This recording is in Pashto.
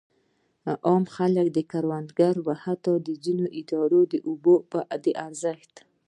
عام خلک، کروندګر او حتی ځینې ادارې د اوبو د ارزښت.